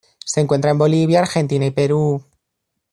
Se encuentra en Bolivia, Argentina y Perú.